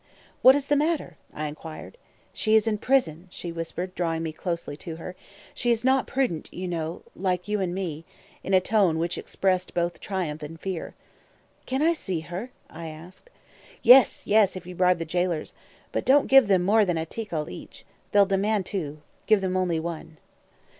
"What is the matter?" I inquired. "She is in prison," she whispered, drawing me closely to her. "She is not prudent, you know, like you and me," in a tone which expressed both triumph and fear. "Can I see her?" I asked. "Yes, yes! if you bribe the jailers. But don't give them more than a tical each. They'll demand two; give them only one."